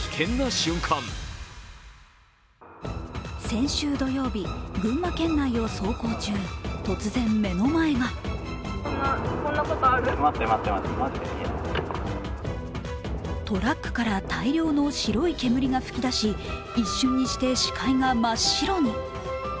先週土曜日、群馬県内を走行中、突然目の前がトラックから大量の白い煙が吹き出し、一瞬にして視界が真っ白に。